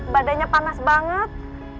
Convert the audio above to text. badannya panas banget